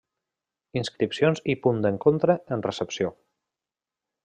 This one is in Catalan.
Inscripcions i Punt d'Encontre en Recepció.